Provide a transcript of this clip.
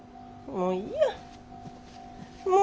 もういい。